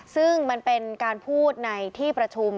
ซึ่งมันเป็นการพูดในที่ประชุม